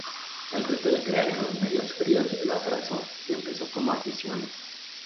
El reto de crear en los medios fríos lo atrasó y empezó como afición.